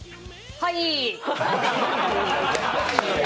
はい！